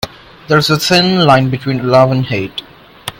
There is a thin line between love and hate.